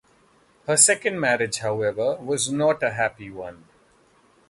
Her second marriage, however, was not a happy one.